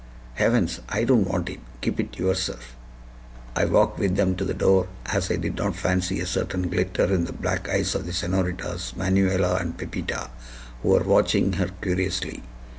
"Heavens! I don't want it. Keep it yourself." I walked with them to the door, as I did not fancy a certain glitter in the black eyes of the Senoritas Manuela and Pepita, who were watching her curiously.